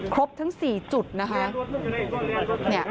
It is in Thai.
ครบทั้ง๔จุดนะคะ